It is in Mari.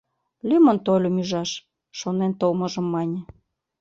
Лӱмын тольым ӱжаш, — шонен толмыжым мане.